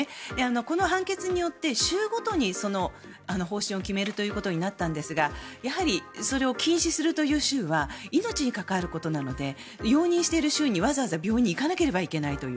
この判決によって州ごとにその方針を決めることになったんですがやはりそれを禁止するという州は命に関わることなので容認している州にわざわざ病院に行かなければいけないという。